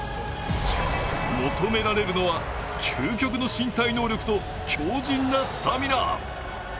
求められるのは、究極の身体能力と強じんなスタミナ。